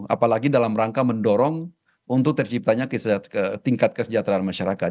apalagi dalam rangka mendorong untuk terciptanya tingkat kesejahteraan masyarakat